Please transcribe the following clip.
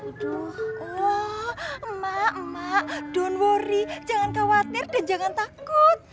aduh emak emak done worry jangan khawatir dan jangan takut